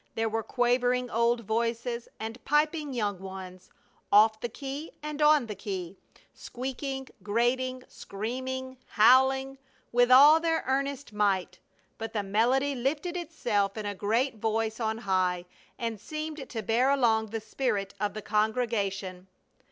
There were quavering old voices, and piping young ones; off the key and on the key, squeaking, grating, screaming, howling, with all their earnest might, but the melody lifted itself in a great voice on high and seemed to bear along the spirit of the congregation.